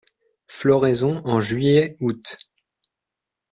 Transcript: Floraison en juillet - aout.